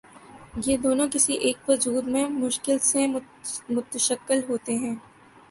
یہ دونوں کسی ایک وجود میں مشکل سے متشکل ہوتے ہیں۔